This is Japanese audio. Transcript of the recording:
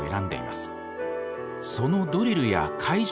そのドリルや会場